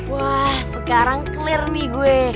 wah sekarang clear nih gue